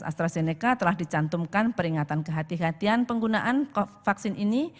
astrazeneca telah dicantumkan peringatan kehatian kehatian penggunaan vaksin ini